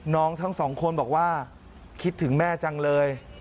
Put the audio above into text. ทั้งสองคนบอกว่าคิดถึงแม่จังเลย